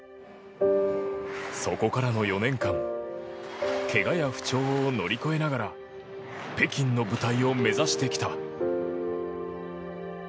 そこからの４年間けがや不調を乗り越えながら北京の舞台を目指してきた。